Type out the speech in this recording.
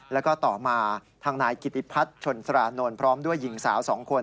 แล้วก็ต่อมาทางนายกิติพัฒน์ชนสรานนท์พร้อมด้วยหญิงสาว๒คน